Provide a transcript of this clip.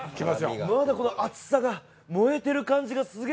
まだこの熱さが燃えてる感じがすげえする。